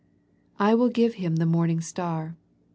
" I will give him the morning star."